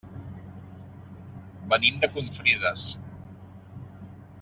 Venim de Confrides.